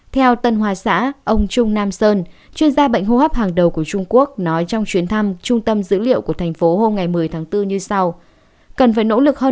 theo tân hoa xã ông trung nam sơn chuyên gia bệnh hô hấp hàng đầu của trung quốc nói trong chuyến thăm trung tâm dữ liệu của thành phố hôm ngày một mươi tháng bốn như sau